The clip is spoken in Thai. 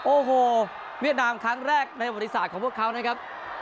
โอ้โหเวียดนามครั้งแรกในประวัติศาสตร์ของพวกเขานะครับ